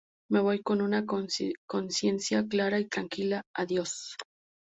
Me voy con una consciencia clara y tranquila, adiós".